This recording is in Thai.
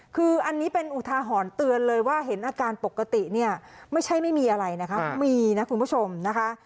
คืออันนี้เป็นอุทาหรณ์เตือนเลยว่าเห็นอาการปกติเนี่ยไม่ใช่ไม่มีอะไรนะคะมีนะคุณผู้ชมนะคะ